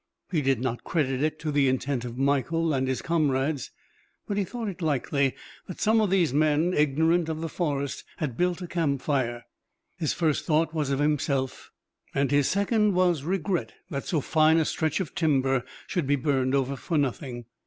He did not credit it to the intent of Michael and his comrades, but he thought it likely that some of these men, ignorant of the forest, had built a campfire. His first thought was of himself, and his second was regret that so fine a stretch of timber should be burned over for nothing.